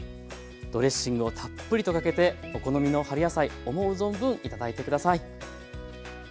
ドレッシングをたっぷりとかけてお好みの春野菜思う存分頂いて下さい。